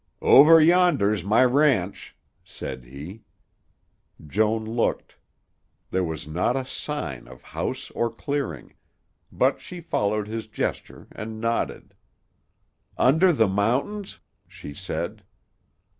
"Over yonder's my ranch," said he. Joan looked. There was not a sign of house or clearing, but she followed his gesture and nodded. "Under the mountains?" she said.